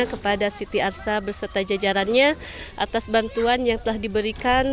kepada siti arsa berserta jajarannya atas bantuan yang telah diberikan